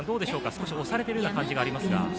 少し押されているような感じがありますが。